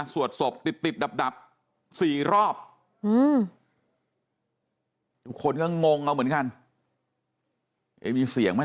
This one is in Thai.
สวดสบติดดับ๔รอบอืมคนก็งงเหมือนกันเอ็มสิอย่างไหม